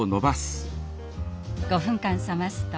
５分間冷ますと。